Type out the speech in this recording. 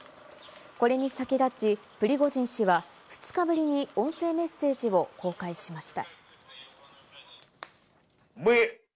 これに先立ち、プリゴジン氏は２日ぶりに音声メッセージを公開しました。